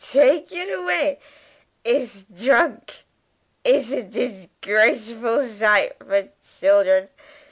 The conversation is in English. take it away! It'sh drunk; it'sh a dishgraceful sight for children!'